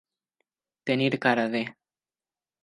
Tenir cara de.